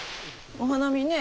お花見ね。